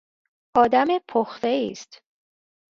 آد م پخته ایست